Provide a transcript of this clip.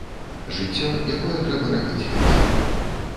Жыццё, якое трэба рабіць лепшым.